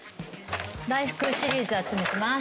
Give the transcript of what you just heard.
大福シリーズ集めてます。